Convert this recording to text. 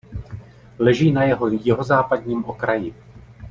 Leží na jeho jihozápadním okraji.